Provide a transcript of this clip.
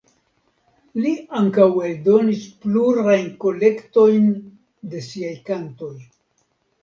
Li ankaŭ eldonis plurajn kolektojn de siaj kantoj.